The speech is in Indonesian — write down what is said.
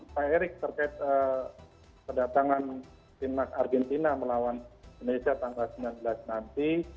pak erick terkait kedatangan timnas argentina melawan indonesia tanggal sembilan belas nanti